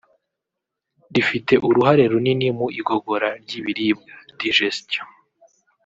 rifite uruhare runini mu igogora ry’ibiribwa (digestion)